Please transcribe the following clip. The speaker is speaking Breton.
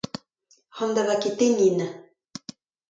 Han da vaketenniñ anezhañ.